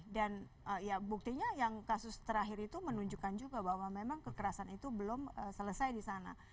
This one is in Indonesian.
dan buktinya yang kasus terakhir itu menunjukkan juga bahwa memang kekerasan itu belum selesai di sana